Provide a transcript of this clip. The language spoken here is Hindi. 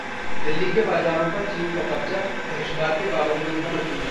दिल्ली के बाजारों पर चीन का कब्जा, बहिष्कार के बावजूद है मजबूरी